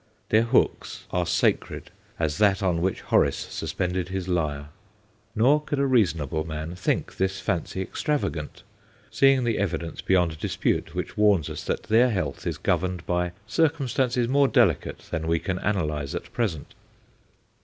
Their hooks are sacred as that on which Horace suspended his lyre. Nor could a reasonable man think this fancy extravagant, seeing the evidence beyond dispute which warns us that their health is governed by circumstances more delicate than we can analyze at present.